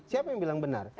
siapa yang bilang benar